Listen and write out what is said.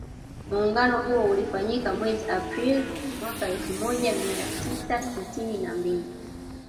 Muungano huo ulifanyika mwezi April mwaka elfu moja mia tisa sitini na mbili